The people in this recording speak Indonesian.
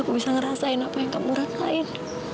aku bisa ngerasain apa yang kamu rasain